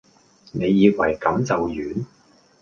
你以為咁就完?